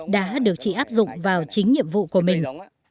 đã được chị áp dụng vào chính nhiệm vụ của mình